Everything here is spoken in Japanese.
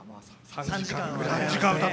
３時間ぐらい。